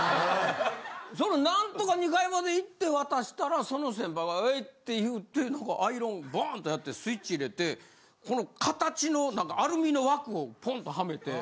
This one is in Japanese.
なんとか２階まで行って渡したらその先輩が「はい」って言うてなんかアイロンをバンとやってスイッチ入れてこの形のアルミの枠をポンとはめて。